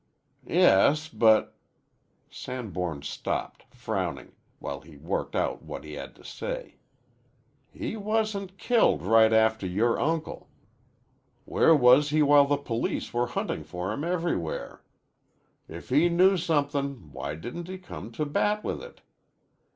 "Yes, but " Sanborn stopped, frowning, while he worked out what he had to say. "He wasn't killed right after yore uncle. Where was he while the police were huntin' for him everywhere? If he knew somethin' why didn't he come to bat with it?